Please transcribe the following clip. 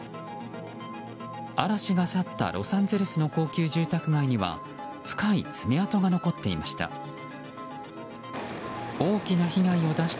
嵐が去ったロサンゼルスの高級住宅街には深い爪痕が残っていました。